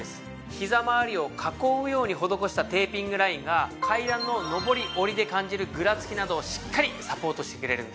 ひざまわりを囲うように施したテーピングラインが階段の上り下りで感じるぐらつきなどをしっかりサポートしてくれるんです。